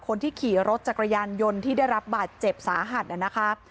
คนที่ขี่รถจักรยานยนต์ที่ได้รับบาดเจ็บสาหัสนะคะ